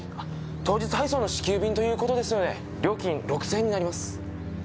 当日配送の至急便という事ですので料金６０００円になります。